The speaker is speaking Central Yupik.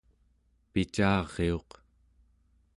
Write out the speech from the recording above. picariuq